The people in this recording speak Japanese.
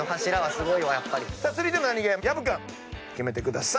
続いてのナニゲー薮君決めてください。